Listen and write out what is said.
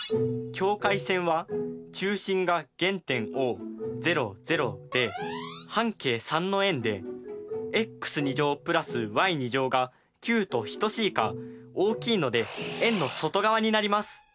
境界線は中心が原点Ｏで半径３の円でｘ＋ｙが９と等しいか大きいので円の外側になります。